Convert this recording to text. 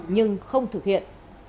nhưng không thực hiện